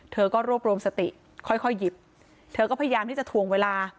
เธอก็รวบรวมสติค่อยหยิบเธอก็พยายามที่จะถวงเวลา